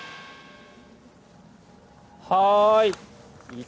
はい。